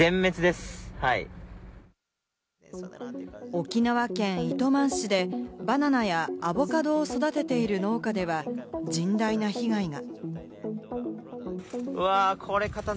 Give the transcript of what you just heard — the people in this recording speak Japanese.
沖縄県糸満市でバナナやアボカドを育てている農家では甚大な被害が。